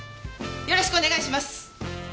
よろしくお願いします！